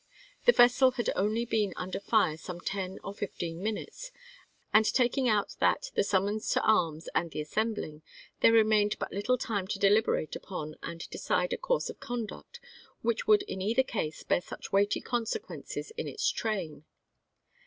The vessel had only been under fire some ten or fifteen minutes; and taking out of that the summons to arms and the assembling, there remained but little time to deliberate upon and decide a course of conduct which would in either case bear such weighty consequences in its train.